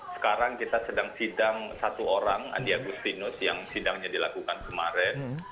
sekarang kita sedang sidang satu orang andi agustinus yang sidangnya dilakukan kemarin